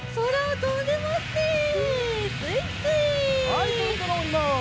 はいそろそろおります。